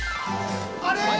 あれ！